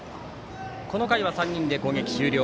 この回は３人で攻撃終了。